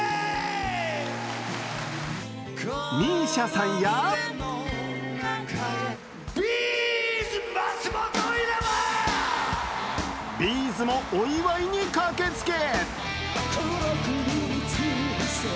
ＭＩＳＩＡさんやＢ’ｚもお祝いに駆けつけ